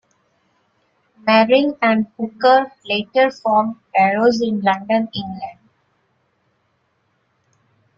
Merrill and Hooker later formed Arrows in London, England.